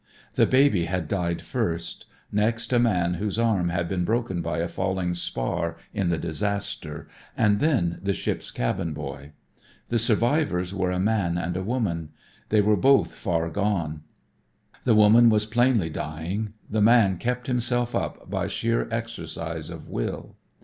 The baby had died first, next a man whose arm had been broken by a falling spar in the disaster, and then the ship's cabin boy. The survivors were a man and a woman. They were both far gone. The woman was plainly dying. The man kept himself up by sheer exercise of will.